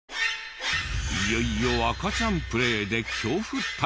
いよいよ赤ちゃんプレイで恐怖体験。